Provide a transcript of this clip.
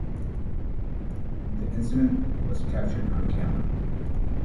The incident was captured on camera.